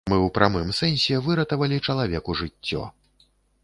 Мы ў прамым сэнсе выратавалі чалавеку жыццё.